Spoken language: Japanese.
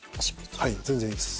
はい全然いいです。